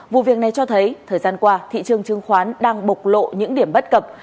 vụ việc này cho thấy thời gian qua thị trường chứng khoán đang bộc lộ những điểm bất cập